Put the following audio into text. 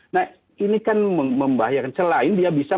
nah ini kan membahayakan selain dia bisa